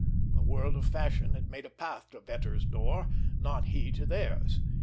The world of fashion had made a path to Vetter's door, not he to theirs.